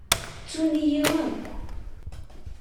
Ttun-iyi akk.